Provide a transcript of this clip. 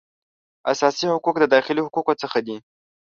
اساسي حقوق د داخلي حقوقو څخه دي